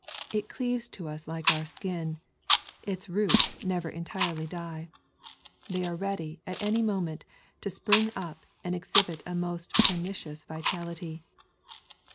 It cleaves to us like our skin. Its roots never entirely die. They are ready, at any moment, to spring up, and exhibit a most pernicious vitality.